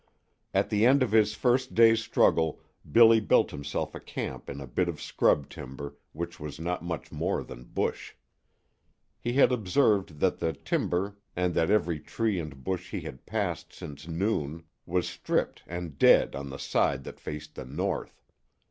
At the end of his first day's struggle Billy built himself a camp in a bit of scrub timber which was not much more than bush. He had observed that the timber and that every tree and bush he had passed since noon was stripped and dead on the side that faced the north.